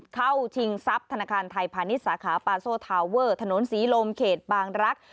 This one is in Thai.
ชิงทรัพย์ธนาคารไทยพาณิชย์สาขาปาโซทาเวอร์ถนนศรีลมเขตบางรัก